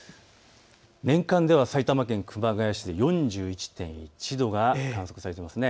年間では埼玉県熊谷市、４１．１度が観測されています。